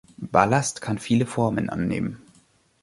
Ballast kann viele Formen annehmen.